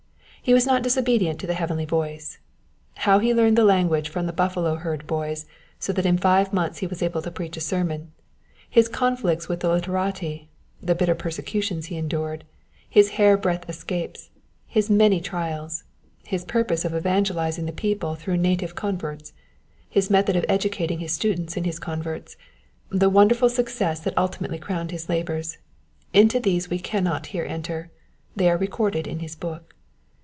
He was not disobedient to the heavenly voice. How he learned the language from the buffalo herd boys, so that in five months he was able to preach a sermon; his conflicts with the literati, the bitter persecutions he endured, his hair breadth escapes, his many trials, his purpose of evangelizing the people through native converts, his method of educating his students and his converts, the wonderful success that ultimately crowned his labors—into these we cannot here enter. They are recorded in his book.